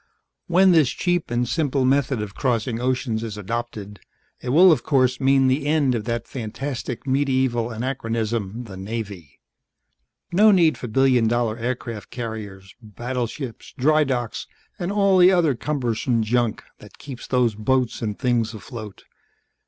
"When this cheap and simple method of crossing oceans is adopted, it will of course mean the end of that fantastic medieval anachronism, the Navy. No need for billion dollar aircraft carriers, battleships, drydocks and all the other cumbersome junk that keeps those boats and things afloat.